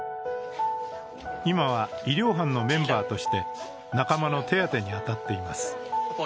今は医療班のメンバーとして仲間の手当てに当たっています。